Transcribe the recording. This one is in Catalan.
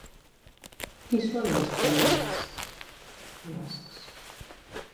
Qui són els pelasgs?